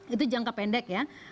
itu jangka pendek ya